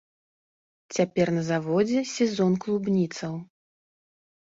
Цяпер на заводзе сезон клубніцаў.